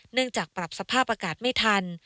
เนื่องจากปรับสภาพอากาศไม่ทัน